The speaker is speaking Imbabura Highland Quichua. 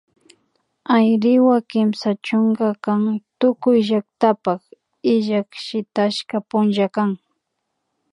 Ayriwa Kimsa chunka kan tukuy llaktapak illak shitashka punlla kan